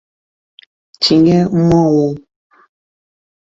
tie mmọnwụ